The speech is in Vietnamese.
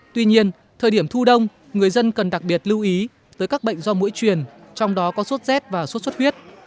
tuy nhiên thời điểm thu đông người dân cần đặc biệt lưu ý với các bệnh do mũi truyền trong đó có suốt z và suốt suốt huyết